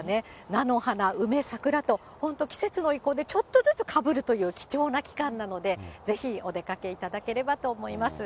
菜の花、梅、桜と、本当、季節の移行でちょっとずつかぶるという貴重な期間なので、ぜひお出かけいただければと思います。